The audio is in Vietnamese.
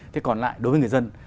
thế còn lại đối với người dân